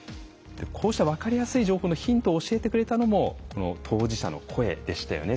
こうした分かりやすい情報のヒントを教えてくれたのも当事者の声でしたよね。